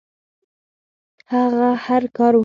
هغه هر کار وکړ.